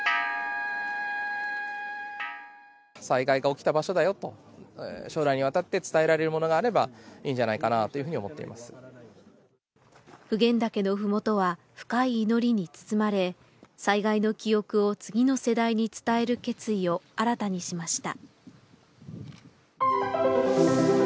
災害が起きた場所だよと、将来にわたって伝えられるものがあればいいんじゃないかなという普賢岳のふもとは深い祈りに包まれ、災害の記憶を次の世代に伝える決意を新たにしました。